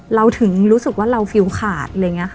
เราถึงรู้สึกว่าเราฟิลขาด